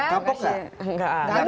kamu kok gak